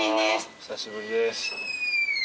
お久しぶりです。